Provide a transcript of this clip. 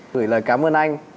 gửi lời cảm ơn anh